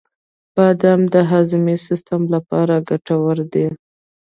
• بادام د هاضمې سیسټم لپاره ګټور دي.